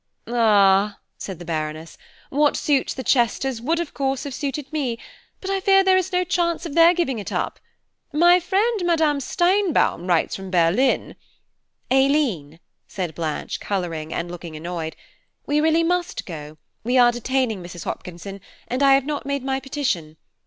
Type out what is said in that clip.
"Ah," said the Baroness, "what suits the Chesters, would, of course, have suited me; but, I fear, there is no chance of their giving it up. My friend Madame Steinbaum writes from Berlin–" "Aileen," said Blanche, coluring and looking annoyed, "we really must go, we are detaining Mrs. Hopkinson; and I have not made my petition.